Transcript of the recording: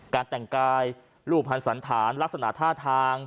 การแต่งกายรูปภัณฑ์สันฐานลักษณะท่าทาง